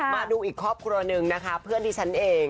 มาดูอีกครอบครัวหนึ่งนะคะเพื่อนที่ฉันเอง